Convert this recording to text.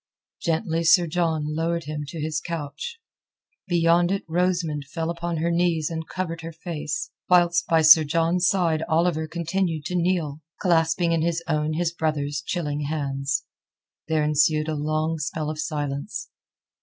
Gently Sir John lowered him to his couch. Beyond it Rosamund fell upon her knees and covered her face, whilst by Sir John's side Oliver continued to kneel, clasping in his own his brother's chilling hands. There ensued a long spell of silence.